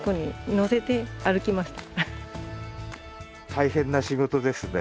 大変な仕事ですね。